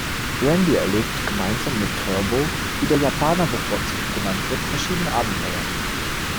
Randy erlebt gemeinsam mit Turbo, wie der Japaner bevorzugt genannt wird, verschiedene Abenteuer.